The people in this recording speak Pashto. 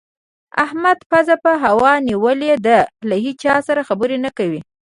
احمد پزه په هوا نيول ده؛ له هيچا سره خبرې نه کوي.